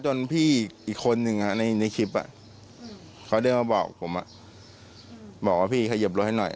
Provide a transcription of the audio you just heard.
พี่อีกคนนึงในคลิปเขาเดินมาบอกผมบอกว่าพี่ขยิบรถให้หน่อย